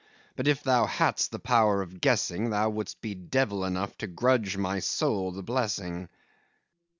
But, if thou hadst the power of guessing, Thou wouldst be devil enough to grudge my soul the blessing.